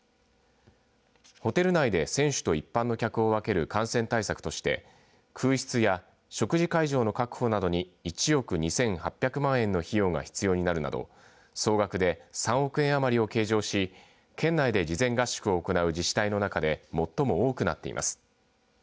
ホテル内で選手と一般の客を分ける感染対策として空室や食事会場の確保などに１億２８００万円の費用が必要になるなど総額で３億円余りを計上し県内で事前合宿を行う自治体の中で最も多くなっています。